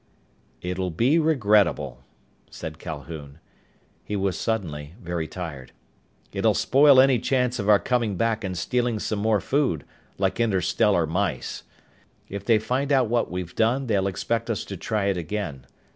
"It'll be regrettable," said Calhoun. He was suddenly very tired. "It'll spoil any chance of our coming back and stealing some more food, like interstellar mice. If they find out what we've done they'll expect us to try it again.